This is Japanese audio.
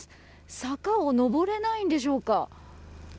坂を上れないんでしょうか。